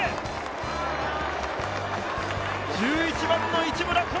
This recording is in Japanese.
１１番の一村！